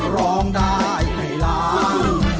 ร้องได้ให้ล้าน